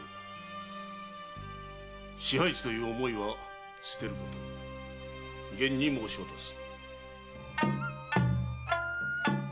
支配地という思いは捨てること厳に申し渡す。